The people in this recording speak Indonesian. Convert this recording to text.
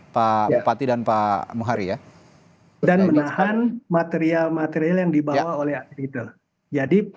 pak bupati dan pak muhari ya dan menahan material material yang dibawa oleh rider jadi